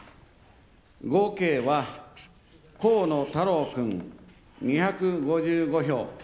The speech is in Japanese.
合計は河野太郎君、２５５票。